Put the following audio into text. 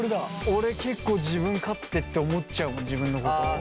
俺結構自分勝手って思っちゃう自分のこと。